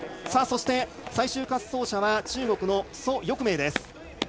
そして最終滑走者は中国の蘇翊鳴です。